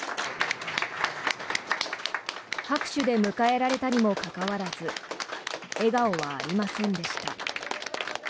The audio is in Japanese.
拍手で迎えられたにもかかわらず笑顔はありませんでした。